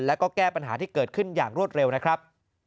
แล้วก็แก้ปัญหาที่เกิดขึ้นอย่างรวดเร็วนะครับ